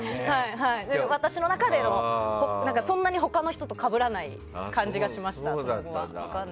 私の中でのそんなに他の人とかぶらない感じがしました。